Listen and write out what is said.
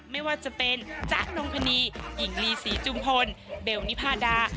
ไม่ว่าจะเป็นจ๊ะนงพนีหญิงลีศรีจุมพลเบลนิพาดา